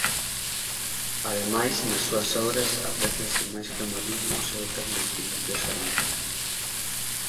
Ademais nas súas obras aprécianse máis cromatismos e outras modificacións harmónicas.